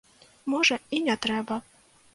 Можа, і не трэба.